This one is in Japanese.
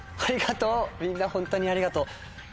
みんなホントにありがとう。